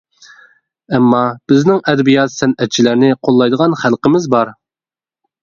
ئەمما، بىزنىڭ ئەدەبىيات سەنئەتچىلەرنى قوللايدىغان خەلقىمىز بار.